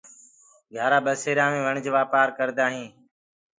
گھيآرآ ٻسيرآ مي وڻج وآپآر ڪردآ هينٚ۔